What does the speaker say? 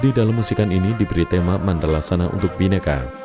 di dalam musikan ini diberi tema mandala sana untuk bineka